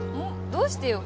どうしてよ？